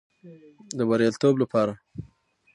د بریالیتوب لپاره